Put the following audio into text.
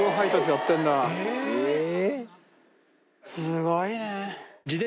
すごいね。